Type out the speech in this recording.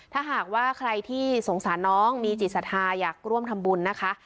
ถ้าหากว่าใครที่สงสารน้องมีจิตศรัทธาอยากร่วมทำบุญนะคะ